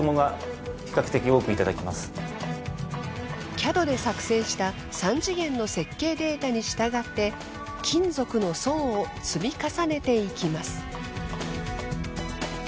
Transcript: ＣＡＤで作成した３次元の設計データに従って金属の層を積み重ねていきます。